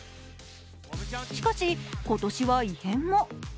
しかし、今年は異変も。